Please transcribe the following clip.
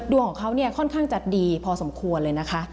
ดวงของเขาเนี่ยค่อนข้างจะดีพอสมควรเลยนะคะ